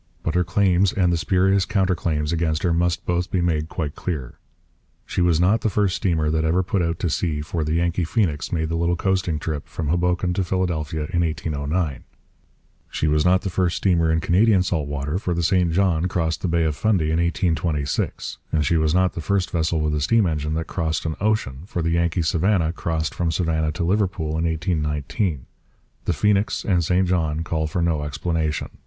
But her claims and the spurious counter claims against her must both be made quite clear. She was not the first steamer that ever put out to sea, for the Yankee Phoenix made the little coasting trip from Hoboken to Philadelphia in 1809. She was not the first steamer in Canadian salt water, for the St John crossed the Bay of Fundy in 1826. And she was not the first vessel with a steam engine that crossed an ocean, for the Yankee Savannah crossed from Savannah to Liverpool in 1819. The Phoenix and St John call for no explanation.